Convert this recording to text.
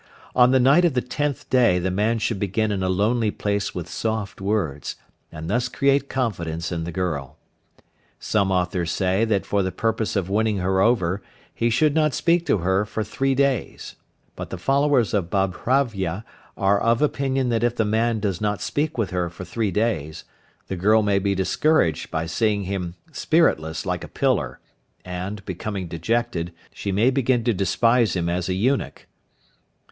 On the night of the tenth day the man should begin in a lonely place with soft words, and thus create confidence in the girl. Some authors say that for the purpose of winning her over he should not speak to her for three days, but the followers of Babhravya are of opinion that if the man does not speak with her for three days, the girl may be discouraged by seeing him spiritless like a pillar, and, becoming dejected, she may begin to despise him as an eunuch.